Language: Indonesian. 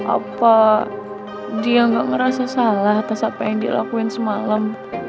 apa dia nggak ngerasa salah atas apa yang dialakuin semalam